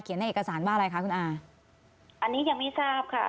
ในเอกสารว่าอะไรคะคุณอาอันนี้ยังไม่ทราบค่ะ